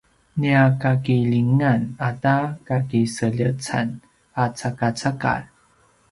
nia kakililjingan ata kakiseljecan a “cakacakar”